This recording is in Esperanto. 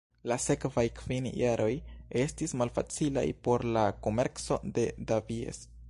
La sekvaj kvin jaroj estis malfacilaj por la komerco de Davies.